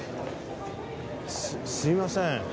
すいません。